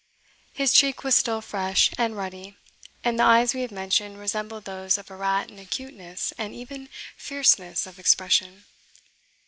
His cheek was still fresh and ruddy, and the eyes we have mentioned resembled those of a rat in acuteness and even fierceness of expression.